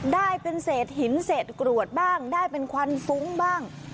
ได้เป็นเศษหินเศษกรวดบ้างได้เป็นควันฟุ้งบ้าง